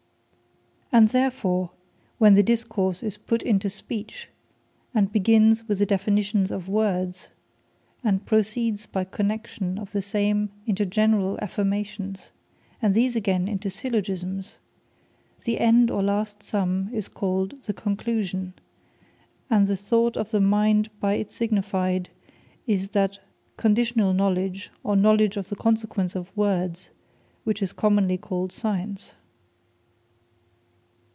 Science Opinion Conscience And therefore, when the Discourse is put into Speech, and begins with the Definitions of Words, and proceeds by Connexion of the same into general Affirmations, and of these again into Syllogismes, the end or last sum is called the Conclusion; and the thought of the mind by it signified is that conditional Knowledge, or Knowledge of the consequence of words, which is commonly called Science.